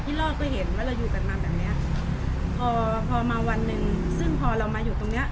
รอบก็เห็นว่าเราอยู่กันมาแบบเนี้ยพอพอมาวันหนึ่งซึ่งพอเรามาอยู่ตรงเนี้ย